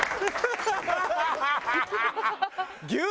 ハハハハ！